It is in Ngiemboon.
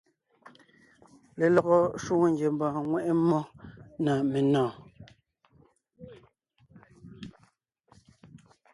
Lelɔgɔ shwòŋo ngiembɔɔn ŋweʼe mmó na menɔ̀ɔn.